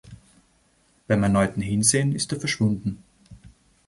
Beim erneuten Hinsehen ist er verschwunden.